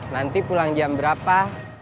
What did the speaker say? nanti pulang jam berapa